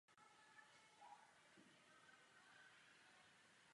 Po absolvování školy byl krátce ředitelem kůru ve Zbraslavi a v Kouřimi.